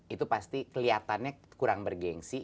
itu pasti kelihatannya kurang bergensi